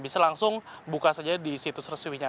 bisa langsung buka saja di situs resminya